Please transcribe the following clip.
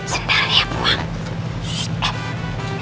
sendalek ya puang